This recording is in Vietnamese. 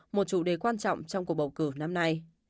một chủ đề quan trọng trong cuộc bầu cử năm nay